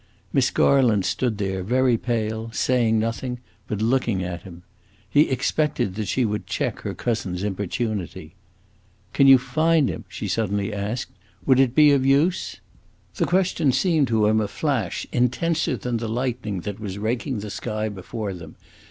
Miss Garland stood there very pale, saying nothing, but looking at him. He expected that she would check her cousin's importunity. "Could you find him?" she suddenly asked. "Would it be of use?" The question seemed to him a flash intenser than the lightning that was raking the sky before them.